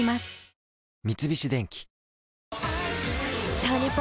さあ日本